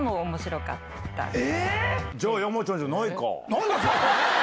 何だ⁉それ。